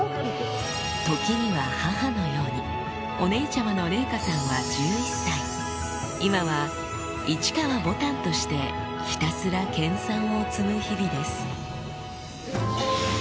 お姉ちゃまの麗禾さんは１１歳今は市川ぼたんとしてひたすら研鑽を積む日々です